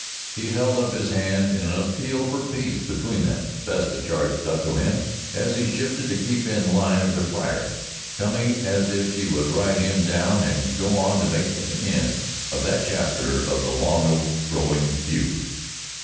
He held up his hand in an appeal for peace between them. Vesta charged up to him as he shifted to keep in the line of their fire, coming as if she would ride him down and go on to make an end of that chapter of the long growing feud.